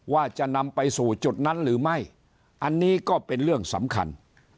ว่าจะนำไปสู่จุดนั้นหรือไม่อันนี้ก็เป็นเรื่องสำคัญ